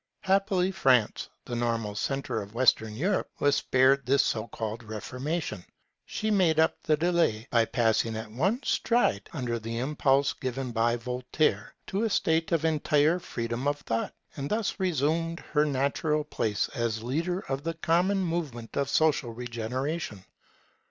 Happily France, the normal centre of Western Europe, was spared this so called Reformation. She made up for the delay, by passing at one stride, under the impulse given by Voltaire, to a state of entire freedom of thought; and thus resumed her natural place as leader of the common movement of social regeneration.